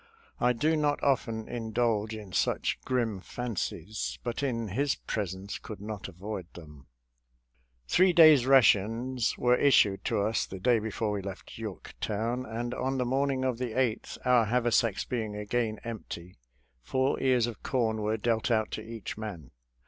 I do not often indulge in such grim fancies, but in his presence could not avoid them. «*• Three days' rations were issued to us the day before we left Yorktown, and on the molrning of the 8th, our haversacks being again empty, four ears of corn were dealt out to each man.